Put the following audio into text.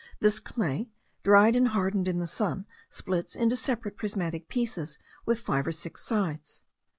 This clay, dried and hardened in the sun, splits into separate prismatic pieces with five or six sides.